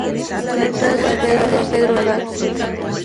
Teatral de Pedro López Lagar.